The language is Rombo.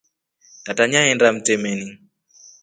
Tata nyaenda mtemani.